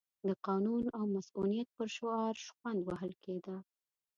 د قانون او مصونیت پر شعار شخوند وهل کېده.